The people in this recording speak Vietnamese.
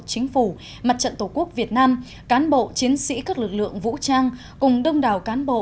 chính phủ mặt trận tổ quốc việt nam cán bộ chiến sĩ các lực lượng vũ trang cùng đông đảo cán bộ